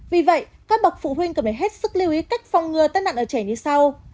vì vậy các bậc phụ huynh cần phải hết sức lưu ý cách phòng ngừa tai nạn ở trẻ như sau